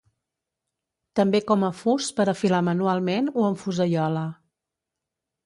També com a fus per a filar manualment o amb fusaiola.